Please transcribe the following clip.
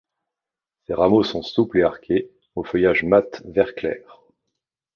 Ses rameaux sont souples et arqués, au feuillage mat vert clair.